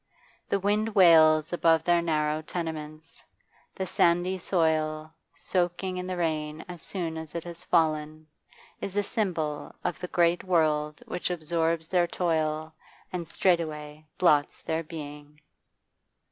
The wind wails above their narrow tenements; the sandy soil, soaking in the rain as soon as it has fallen, is a symbol of the great world which absorbs their toil and straightway blots their being.